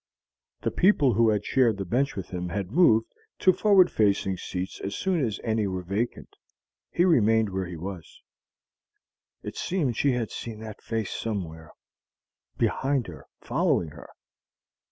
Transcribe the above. The people who had shared the bench with him had moved to forward facing seats as soon as any were vacant. He remained where he was. It seemed she had seen that face somewhere behind her, following her.